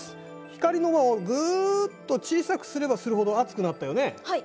光の輪をぐっと小さくすればするほど熱くなったよね。